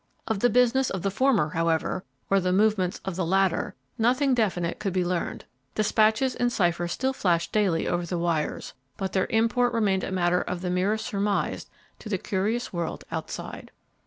Of the business of the former, however, or the movements of the latter, nothing definite could be learned. Despatches in cipher still flashed daily over the wires, but their import remained a matter of the merest surmise to the curious world outside.